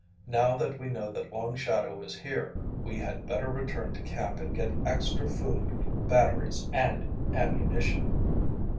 Now that we know that Long Shadow is here, we had better return to camp and get extra food, batteries, and ammunition.